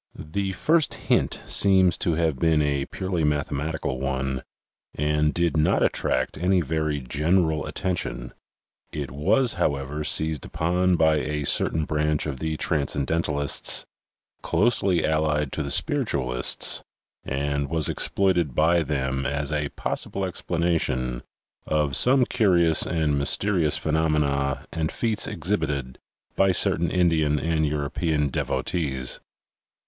The first hint seems to have been a purely mathematical one and did not attract any very general at tention. It was, however, seized upon by a certain branch of the transcendentalists, closely allied to the spiritualists, and was exploited by them as a possible explanation of some curious and mysterious phenomena and feats exhibited by certain Indian and European devotees.